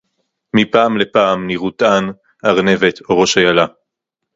מִפַּעַם לְפַעַם נִרְאוּ תַּן, אַרְנֶבֶת אוֹ רֹאשׁ אַיָּלָה